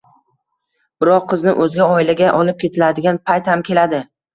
Biroq, qizni o‘zga oilaga olib ketiladigan payt ham keladi.